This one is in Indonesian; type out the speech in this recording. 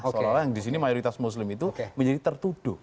seolah olah yang disini mayoritas muslim itu menjadi tertuduh